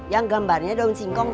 yang gambarnya daun singkong